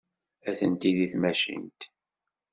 Atenti deg tmacint.